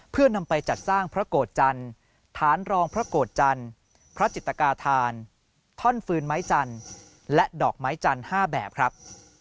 เพื่อนำไปจัดสร้างพระโกธจรรย์ฐานรองพระโกธจรรย์พระจิตกาธารท่อนฟืนไม้จรรย์และดอกไม้จรรย์๕แบบครับ